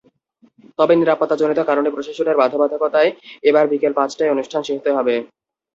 তবে নিরাপত্তাজনিত কারণে প্রশাসনের বাধ্যবাধকতায় এবার বিকেল পাঁচটায় অনুষ্ঠান শেষ হতে হবে।